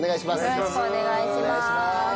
よろしくお願いします。